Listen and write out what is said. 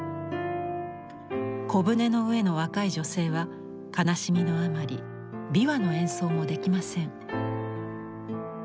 小舟の上の若い女性は悲しみのあまり琵琶の演奏もできません。